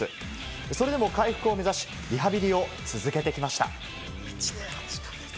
それでも回復を目指し、リハビリを続けてきました。